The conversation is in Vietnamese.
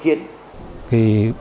cho nên bà con